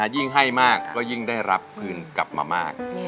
ยิ่งให้มากก็ได้รับกลับมามาก